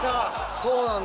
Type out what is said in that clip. そうなんだ。